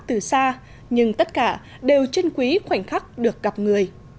từ xa nhưng tất cả đều chân quý khoảnh khắc được gặp người